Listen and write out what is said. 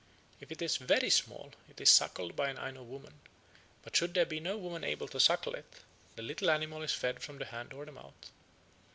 If it is very small, it is suckled by an Aino woman, but should there be no woman able to suckle it, the little animal is fed from the hand or the mouth.